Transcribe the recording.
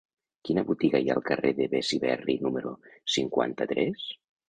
Quina botiga hi ha al carrer de Besiberri número cinquanta-tres?